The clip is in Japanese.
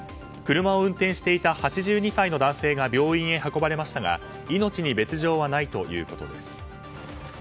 車を運転していた８２歳の男性が病院へ運ばれましたが命に別条はないということです。